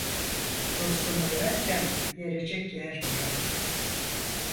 Dostunu överken yerecek yer bırak.